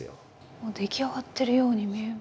もう出来上がってるように見える。